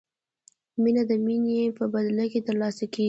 مینه د مینې په بدل کې ترلاسه کیږي.